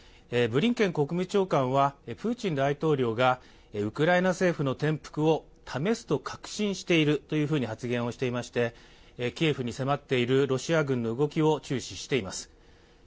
ブリンケン国務長官は、プーチン大統領がウクライナ政府の転覆を試すと確信していると発言していましてキエフに迫っているロシア軍の動きを注視しています。